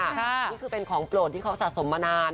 นี่คือเป็นของโปรดที่เขาสะสมมานาน